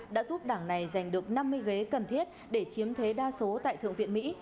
đã giúp đảng này giành được năm mươi ghế cần thiết để chiếm thế đa số tại thượng viện mỹ